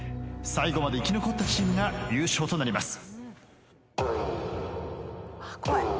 最後まで生き残ったチームが優勝となります。